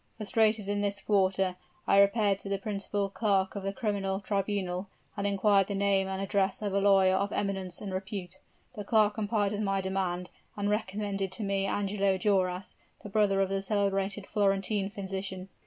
Frustrated in this quarter, I repaired to the principal clerk of the criminal tribunal, and inquired the name and address of a lawyer of eminence and repute. The clerk complied with my demand, and recommended me to Angelo Duras, the brother of a celebrated Florentine physician."